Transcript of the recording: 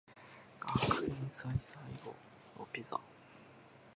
学園祭最後